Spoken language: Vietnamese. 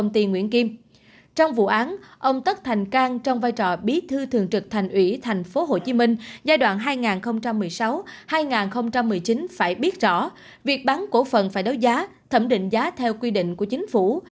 trong vụ án ông tất thành cang trong vai trò bí thư thường trực thành ủy tp hcm giai đoạn hai nghìn một mươi sáu hai nghìn một mươi chín phải biết rõ việc bán cổ phần phải đấu giá thẩm định giá theo quy định của chính phủ